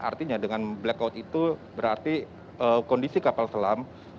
artinya dengan blackout itu berarti kondisi kapal selam